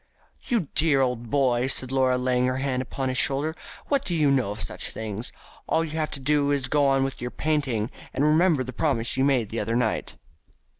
"You dear old boy!" said Laura, laying her hand upon his shoulder, "what do you know of such things? All you have to do is to go on with your painting, and to remember the promise you made the other night."